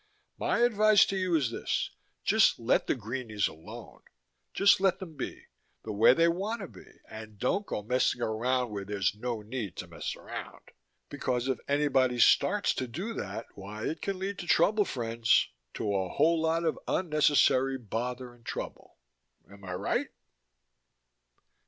My advice to you is this: just let the greenies alone. Just let them be, the way they want to be, and don't go messing around where there's no need to mess around. Because if anybody starts to do that, why, it can lead to trouble, friends, to a whole lot of unnecessary bother and trouble. Am I right?